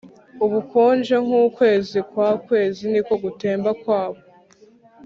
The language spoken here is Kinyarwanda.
ubukonje nkukwezi kwakwezi niko gutemba kwabo